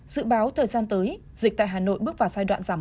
dự báo thời gian tới dịch tại hà nội bước sang trạng thái bình thường mới